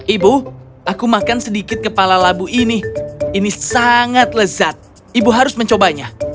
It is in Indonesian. ibu aku makan sedikit kepala labu ini ini sangat lezat ibu harus mencobanya